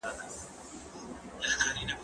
که وخت وي، کالي وچوم!؟